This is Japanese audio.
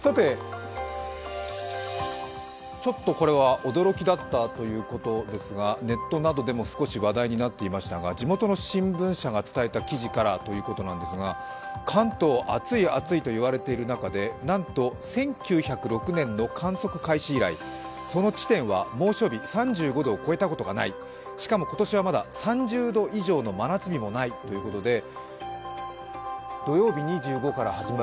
ちょっとこれは驚きだったということですが、ネットなどでも少し話題になっていましたが地元の新聞社が伝えた記事からということなんですが、関東、暑い暑いと言われている中でなんと１９０６年の観測開始以来、その地点は猛暑日３５度を超えたことがない、しかも、今年はまだ３０度以上の真夏日もないということです。